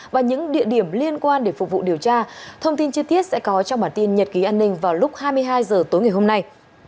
và những địa điểm liên quan để phục vụ điều tra thông tin chi tiết sẽ có trong bản tin nhật ký an ninh vào lúc hai mươi hai h tối ngày hôm nay